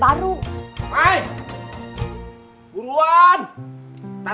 apa kamu mau jalan